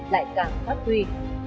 lại càng phát huy